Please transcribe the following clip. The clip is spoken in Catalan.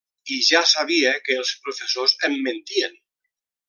I ja sabia que els professors em mentien.